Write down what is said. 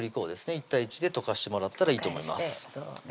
１対１で溶かしてもらえばいいと思いますそうね